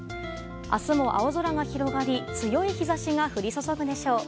明日も青空が広がり強い日差しが降り注ぐでしょう。